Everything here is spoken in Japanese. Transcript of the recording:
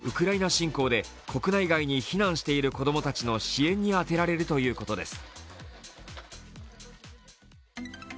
売上金は国連を通じて、ウクライナ侵攻で国内外に避難している子供たちの支援に充てられるということです。